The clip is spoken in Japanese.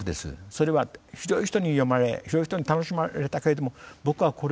それは広い人に読まれ広い人に楽しまれたけれども僕はこれをね